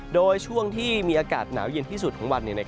โดยช่วงที่มีอากาศหนาวเย็นที่สุดของวัน